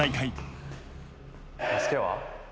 助けは？